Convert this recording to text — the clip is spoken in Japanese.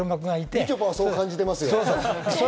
みちょぱはそう感じている。